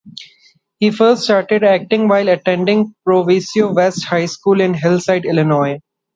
He first started acting while attending Proviso West High School in Hillside, Illinois.